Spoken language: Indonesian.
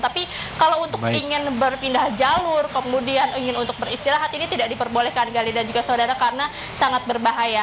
tapi kalau untuk ingin berpindah jalur kemudian ingin untuk beristirahat ini tidak diperbolehkan gali dan juga saudara karena sangat berbahaya